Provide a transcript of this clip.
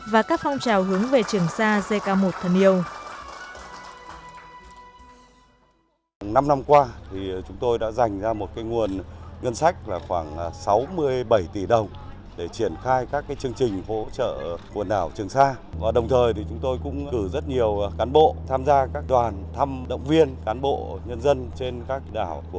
và các phong trào hướng về trường sa gk một thần yêu